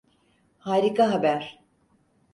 Harika haber.